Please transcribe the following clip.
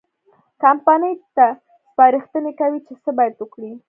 کمپنۍ ته سپارښتنې کوي چې څه باید وکړي.